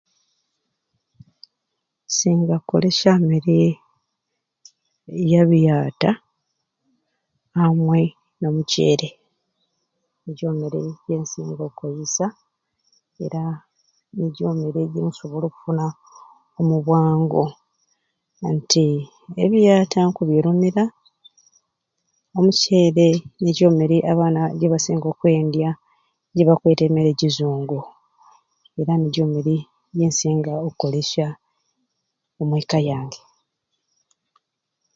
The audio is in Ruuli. Nsinga kukolesya mmere ya biaata amwe n'omuceere nigyo mmere gyensinga okkolesya era nigyo mmere gyensobola okufuna omubwangu nti ebiaata nkubyerumira omuceere nigyo mmere abaana gibasinga okwendya gibakweta emmere egizungu era nigyo mmere gyensinga okukolesya omweka yange.